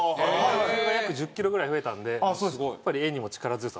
体重が約１０キロぐらい増えたんでやっぱり絵にも力強さ。